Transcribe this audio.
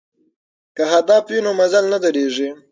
که هدف وي نو مزل نه دریږي.